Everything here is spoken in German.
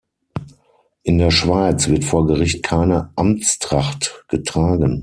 In der Schweiz wird vor Gericht keine Amtstracht getragen.